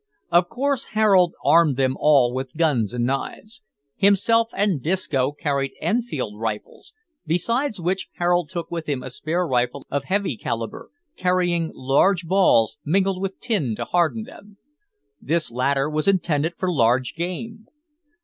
Of course Harold armed them all with guns and knives. Himself and Disco carried Enfield rifles; besides which, Harold took with him a spare rifle of heavy calibre, carrying large balls, mingled with tin to harden them. This latter was intended for large game.